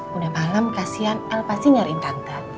pernah malam kasihan el pasti nyariin tante